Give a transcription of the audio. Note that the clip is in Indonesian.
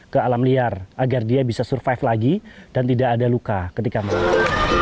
ke alam liar agar dia bisa survive lagi dan tidak ada luka ketika melakukan